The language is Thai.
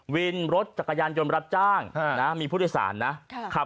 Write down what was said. วินรถจักรยานยนต์รับจ้างมีผู้โดยสารนะ